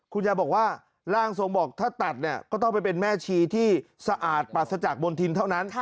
คุณยายบอกว่าร่างทรงบอกถ้าตัดเนี่ยก็ต้องไปเป็นแม่ชีที่สะอาดปราศจากบนทินเท่านั้น